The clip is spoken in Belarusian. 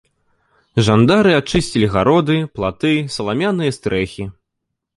Жандары ачысцілі гароды, платы, саламяныя стрэхі.